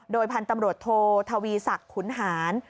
โดยพันธุ์ตำรวจโททวีศักดิ์ขุนหาร